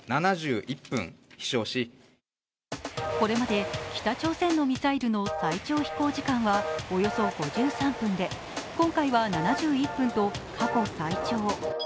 これまで北朝鮮のミサイルの最長飛行時間はおよそ５３分で今回は７１分と過去最長。